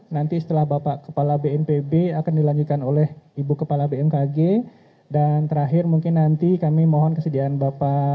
nanti setelah bapak kepala bnpb akan dilanjutkan oleh ibu kepala bmkg dan terakhir mungkin nanti kami mohon kesediaan bapak